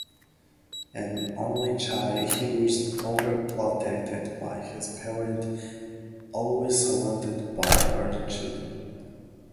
An only child, he was overprotected by his parents always surrounded by other children.